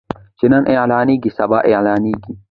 چې نن اعلانيږي سبا اعلانيږي.